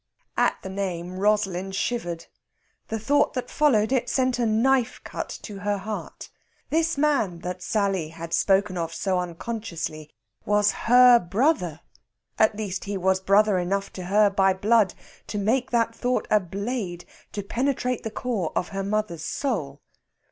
At the name Rosalind shivered. The thought that followed it sent a knife cut to her heart. This man that Sally had spoken of so unconsciously was her brother at least, he was brother enough to her by blood to make that thought a blade to penetrate the core of her mother's soul.